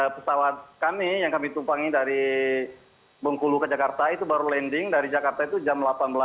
pesawat kami yang kami tumpangi dari bengkulu ke jakarta itu baru landing dari jakarta itu jam delapan belas